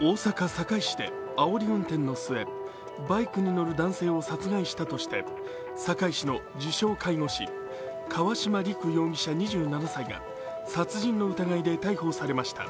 大阪・堺市であおり運転の末、バイクに乗る男性を殺害したとして堺市の自称・介護士、川島陸容疑者２７歳が殺人の疑いで逮捕されました。